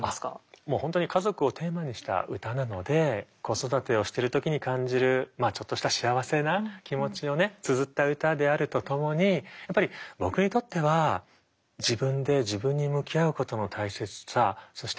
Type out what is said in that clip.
もう本当に家族をテーマにした歌なので子育てをしてる時に感じるまあちょっとした幸せな気持ちをねつづった歌であるとともにやっぱり僕にとっては自分で自分に向き合うことの大切さそしてまあ